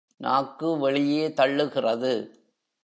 நாக்கு வெளியே தள்ளுகிறது.